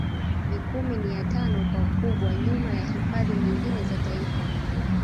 Mikumi ni ya tano kwa ukubwa nyuma ya hifadhi nyingine za Taifa